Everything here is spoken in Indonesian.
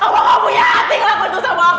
alam bejat sama aku